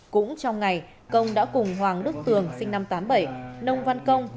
cũng trong ngày công đã cùng hoàng đức tường sinh năm một nghìn chín trăm tám mươi bảy nông văn công